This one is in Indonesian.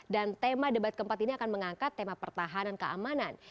dan tema debat keempat ini akan mengangkat tema pertahanan keamanan